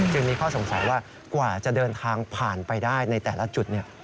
จึงมีข้อสงสัยว่ากว่าจะเดินทางผ่านไปได้ในแต่ละจุด